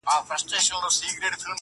تمه نه وه د پاچا له عدالته؛